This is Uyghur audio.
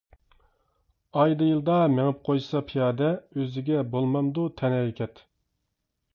ئايدا، يىلدا مېڭىپ قويسا پىيادە، ئۆزىگە بولمامدۇ تەنھەرىكەت.